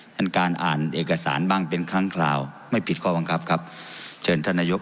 ท่านการอ่านเอกสารบ้างเป็นครั้งคราวไม่ผิดข้อบังคับครับเชิญท่านนายก